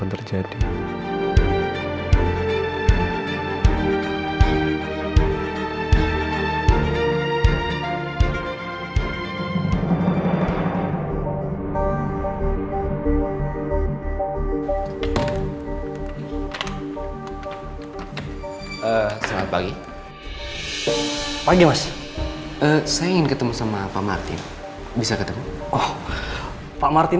terjadi eh selamat pagi pagi masih saya ingin ketemu sama pak martin bisa ketemu oh pak martin